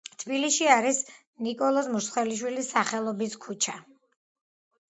თბილისში არის ნიკოლოზ მუსხელიშვილის სახელობის ქუჩა.